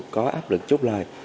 có áp lực chút lời